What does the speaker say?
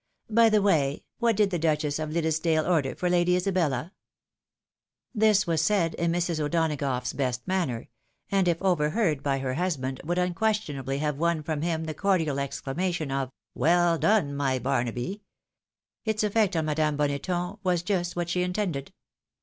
By the way, what did the Duchess of Liddesdale order for Lady Isabella ?" This was said in Mrs. O'Donagough's best manner, and if overheard by her husband would unquestionably have won from him the cordial exclamation of " Well done, my Barnaby !" Its effect on Madame Boneton was just what she intended.